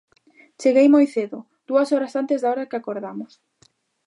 Cheguei moi cedo, dúas horas antes da hora que acordamos.